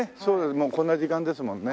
もうこんな時間ですもんね。